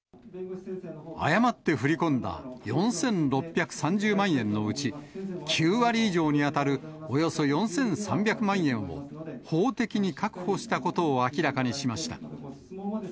誤って振り込んだ４６３０万円のうち、９割以上に当たるおよそ４３００万円を法的に確保したことを明らかにしました。